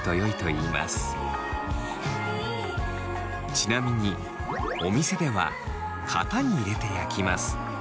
ちなみにお店では型に入れて焼きます。